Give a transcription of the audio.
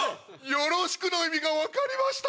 「夜露死苦」の意味が分かりました！